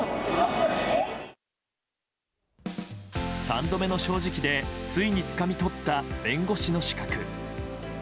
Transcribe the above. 三度目の正直で、ついにつかみ取った弁護士の資格。